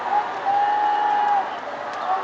วัฒนิยาพุทธ